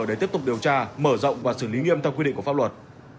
để tiếp tục điều tra mở rộng và xử lý nghiêm theo quy định của pháp luật